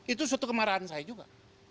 itu suatu kemarahan saya juga